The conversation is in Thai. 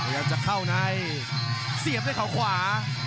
แล้วจะเข้าในเสียบได้ขาวขวา